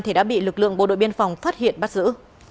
thì đã bị lực lượng bộ đội biên phòng phát hiện bắt giữ